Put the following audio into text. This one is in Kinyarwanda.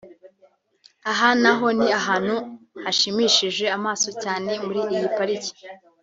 Aha naho ni ahantu hashimishije amaso cyane muri iyi pariki